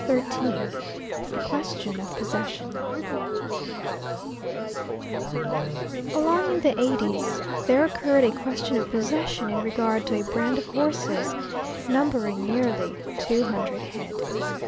XIII A QUESTION OF POSSESSION Along in the 80's there occurred a question of possession in regard to a brand of horses, numbering nearly two hundred head.